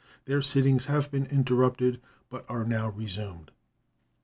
Their sittings have been interrupted, but are now resumed.